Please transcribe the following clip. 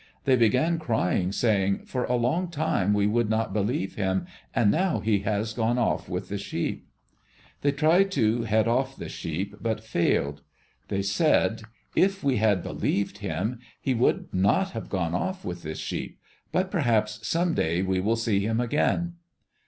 They began crying, saying, "For a long time we would not believe him, and now he has gone off with the sheep." They tried to head off the sheep, but failed. They said, "If we had believed him, he would not have gone off with the sheep. But perhaps some day we will see him again."